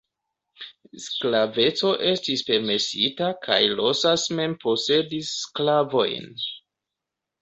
Sklaveco estis permesita kaj Rosas mem posedis sklavojn.